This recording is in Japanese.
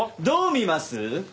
どう見ます？